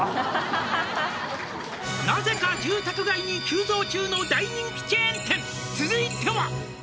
「なぜか住宅街に急増中の大人気チェーン店」「続いては」